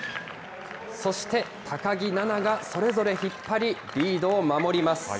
そして高木菜那がそれぞれ引っ張り、リードを守ります。